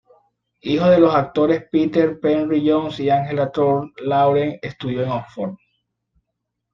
Hijo de los actores Peter Penry-Jones y Angela Thorne, Lauren estudió en Oxford.